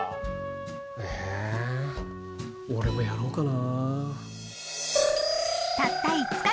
えぇ俺もやろうかな。